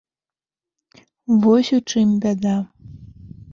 Вось у чым бяда.